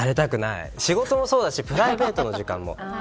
仕事もそうだしプライベートの時間も。